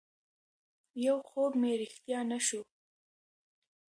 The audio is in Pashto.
يو خوب مې رښتيا نه شو